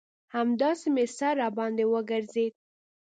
همداسې مې سر راباندې وگرځېد.